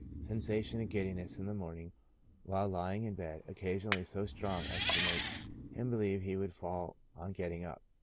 Sensation of giddiness in the morning while lying in bed, occasionally so strong as to makis him believe he would fall on getting up.